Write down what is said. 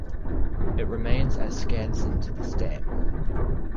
It remains at Skansen to this day.